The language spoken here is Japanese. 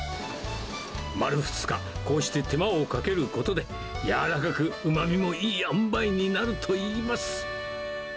丸２日、こうして手間をかけることで、柔らかくうまみもいいあんばいになるといいます。